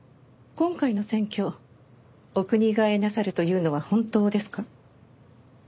今回の選挙お国替えなさるというのは本当ですか？